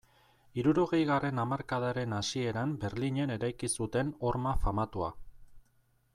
Hirurogeigarren hamarkadaren hasieran Berlinen eraiki zuten horma famatua.